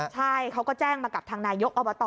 ใช่เขาก็แจ้งมากับทางนายกอบต